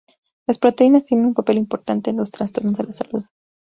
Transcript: Las proteínas tienen un papel importante en los trastornos de la salud.